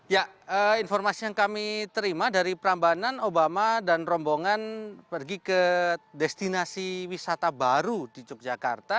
ya informasi yang kami terima dari prambanan obama dan rombongan pergi ke destinasi wisata baru di yogyakarta